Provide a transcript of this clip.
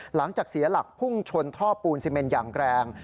หลังจากเสียหลักพุ่งชนท่อปูนซีเมนอย่างแรง